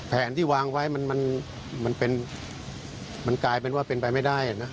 แผนที่วางไว้มันมันเป็นมันกลายเป็นว่าเป็นไปไม่ได้อ่ะนะ